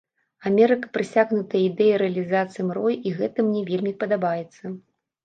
Амерыка прасякнутая ідэяй рэалізацыі мроі і гэтым мне вельмі падабаецца.